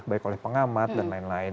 baik oleh pengamat dan lain lain